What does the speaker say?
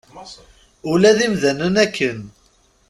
Ula d imdanen akken.